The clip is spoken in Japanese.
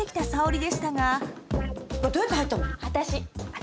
私。